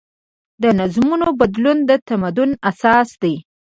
د نظمونو بدلون د تمدن اساس دی.